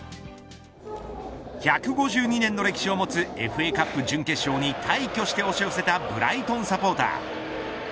１５２年の歴史を持つＦＡカップ準決勝に大挙して押し寄せたブライトンサポーター。